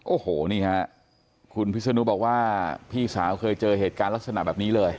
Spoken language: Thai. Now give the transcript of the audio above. โอ้โหนี่ฮะคุณพิศนุบอกว่าพี่สาวเคยเจอเหตุการณ์ลักษณะแบบนี้เลย